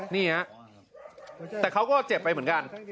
นี่ฮะแต่เขาก็เจ็บไปเหมือนกัน